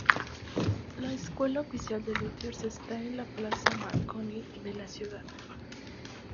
La escuela oficial de luthiers está en la plaza Marconi de la ciudad.